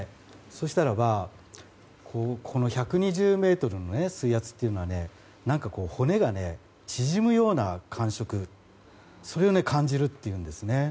そうしたらば１２０ｍの水圧というのは骨が縮むような感触それを感じるっていうんですね。